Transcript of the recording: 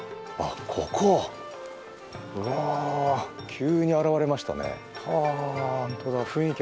急に現れましたね。